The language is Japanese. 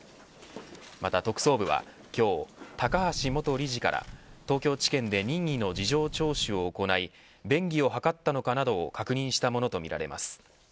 また特捜部は今日高橋元理事から東京地検で任意の事情聴取を行い便宜を図ったかなどを確認したものとみられます。